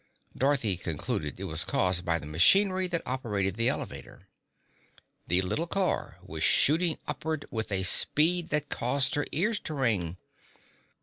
Dorothy concluded it was caused by the machinery that operated the elevator. The little car was shooting upward with a speed that caused her ears to ring.